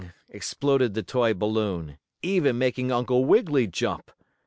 exploded the toy balloon, even making Uncle Wiggily jump.